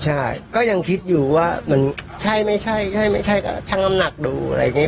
ใช่ก็ยังคิดอยู่ว่าเหมือนใช่ไม่ใช่ก็ช่างน้ำหนักดูอะไรอย่างนี้